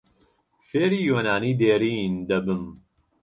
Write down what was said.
فێری یۆنانیی دێرین دەبم.